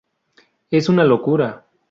Es una locura.